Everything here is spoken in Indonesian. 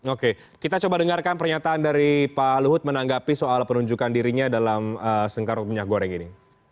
oke kita coba dengarkan pernyataan dari pak luhut menanggapi soal penunjukan dirinya dalam sengkarut minyak goreng ini